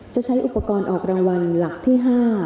จะใช้อุปกรณ์ออกรางวัลหลักที่๕